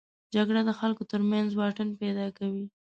جګړه د خلکو تر منځ واټن پیدا کوي